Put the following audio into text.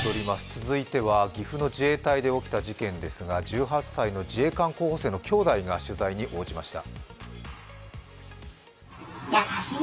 続いては岐阜の自衛隊で起きた事件ですが、１８歳の自衛官候補生の兄弟が取材に応じました。